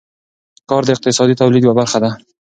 کار د اقتصادي تولید یوه برخه ده.